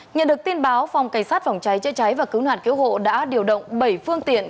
nhận được tin báo phòng cảnh sát phòng cháy chữa cháy và cứu nạn cứu hộ đã điều động bảy phương tiện